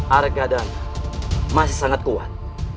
argadana masih sangat kuat